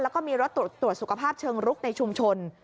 แล้วก็มีรถตรวจสุขภาพเชิงรุกในชุมชน